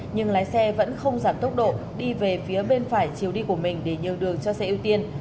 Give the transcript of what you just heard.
nhưng lái xe vẫn không giảm tốc độ đi về phía bên phải chiều đi của mình để nhường đường cho xe ưu tiên